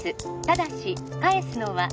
ただし返すのは